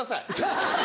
ハハハ！